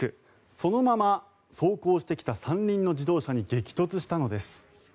そのまま走行してきた３輪の自動車に激突したのです。